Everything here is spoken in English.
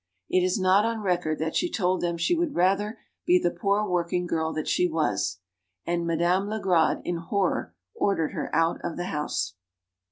It is not on record that she told them she would rather be the poor working girl that she was. And Madame Legrade, in horror, ordered her out of the house.